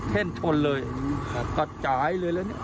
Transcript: เท่นชนเลยตัดจ่ายเลยแหละนี่